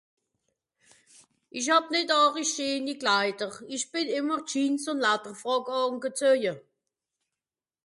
Ìch hàb nìt àrisch scheeni Kleider. Ìch bìn ìmmer Jeans ùn (...) àngezöje.